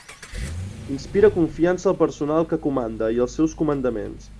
Inspira confiança al personal que comanda i als seus comandaments.